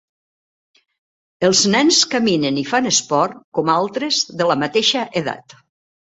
Els nens caminen i fan esport com altres de la mateixa edat.